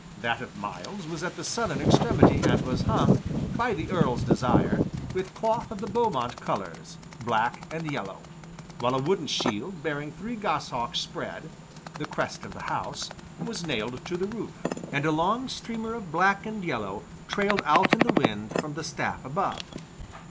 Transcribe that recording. That of Myles was at the southern extremity and was hung, by the Earl's desire, with cloth of the Beaumont colors (black and yellow), while a wooden shield bearing three goshawks spread (the crest of the house) was nailed to the roof, and a long streamer of black and yellow trailed out in the wind from the staff above.